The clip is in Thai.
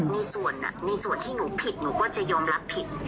มีส่วนในส่วนที่หนูผิดหนูก็จะยอมรับผิด